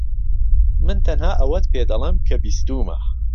من تەنها ئەوەت پێدەڵێم کە بیستوومە.